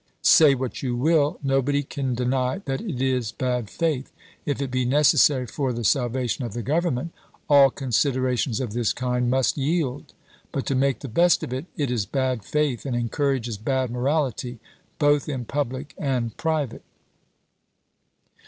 Say what you will, nobody can deny that it is bad faith. If it be necessary for the salva tion of the Government, all considerations of this kind must yield ; but to make the best of it, it is bad faith, and encourages bad morality, both in public and private.